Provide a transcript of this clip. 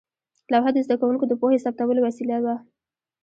لوحه د زده کوونکو د پوهې ثبتولو وسیله وه.